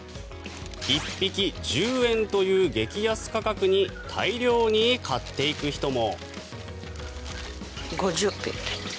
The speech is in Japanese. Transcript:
１匹１０円という激安価格に大量に買っていく人も。